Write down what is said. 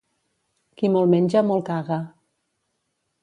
Qui molt menja, molt caga.